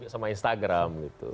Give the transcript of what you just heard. sama instagram gitu